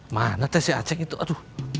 mana teh si acek itu